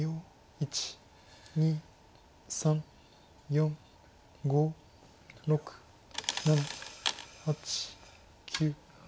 １２３４５６７８９。